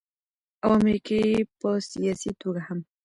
او امريکې په سياسي توګه هم